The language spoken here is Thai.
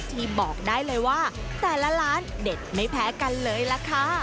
ที่บอกได้เลยว่าแต่ละร้านเด็ดไม่แพ้กันเลยล่ะค่ะ